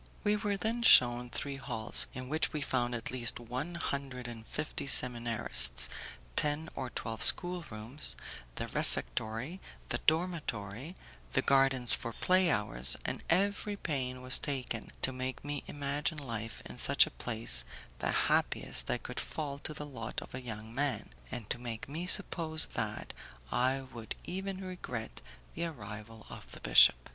We were then shewn three halls, in which we found at least one hundred and fifty seminarists, ten or twelve schoolrooms, the refectory, the dormitory, the gardens for play hours, and every pain was taken to make me imagine life in such a place the happiest that could fall to the lot of a young man, and to make me suppose that I would even regret the arrival of the bishop.